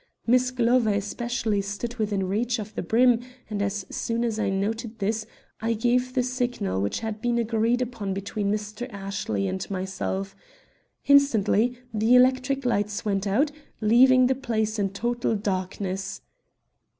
Miss Glover especially stood within reach of the brim, and as soon as I noted this, I gave the signal which had been agreed upon between Mr. Ashley and myself. Instantly the electric lights went out, leaving the place in total darkness.